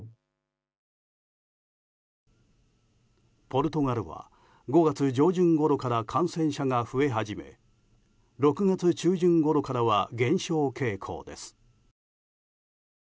ポルトガルは５月上旬ごろから感染者が増え始め６月中旬ごろからは減少傾向です。